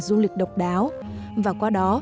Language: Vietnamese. du lịch độc đáo và qua đó